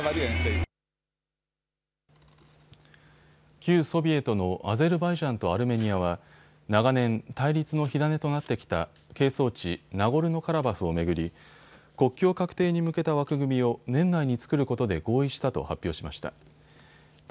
旧ソビエトのアゼルバイジャンとアルメニアは長年対立の火種となってきた係争地、ナゴルノカラバフを巡り国境画定に向けた枠組みを年内に作ることで合意したと発表しました。